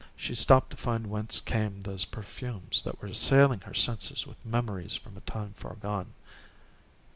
She stopped to find whence came those perfumes that were assailing her senses with memories from a time far gone.